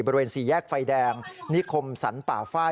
บริเวณสี่แยกไฟแดงนิคมสรรป่าฝ้าย